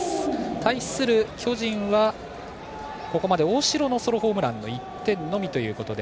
対する巨人は、ここまで大城のソロホームラン１点のみ。